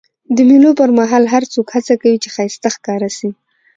د مېلو پر مهال هر څوک هڅه کوي، چي ښایسته ښکاره سي.